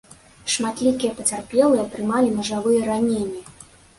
Шматлікія пацярпелыя атрымалі нажавыя раненні.